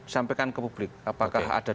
sampaikan ke publik apakah ada